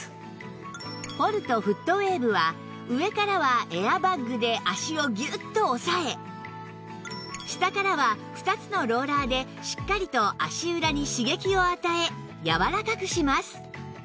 ポルトフットウェーブは上からはエアバッグで足をぎゅっと押さえ下からは２つのローラーでしっかりと足裏に刺激を与えやわらかくします